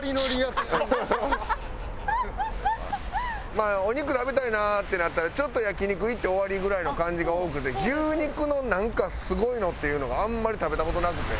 まあお肉食べたいなってなったらちょっと焼き肉行って終わりぐらいの感じが多くて牛肉のなんかすごいのっていうのがあんまり食べた事なくて。